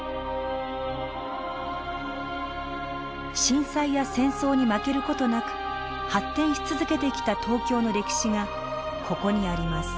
震災や戦争に負ける事なく発展し続けてきた東京の歴史がここにあります。